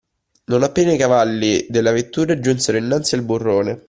Non appena i cavalli della vettura giunsero innanzi al burrone